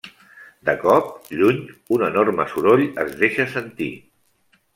De cop, lluny, un enorme soroll es deixa sentir.